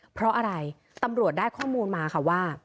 เพราะอะไรตำรวจได้ข้อมูลมาค่ะว่า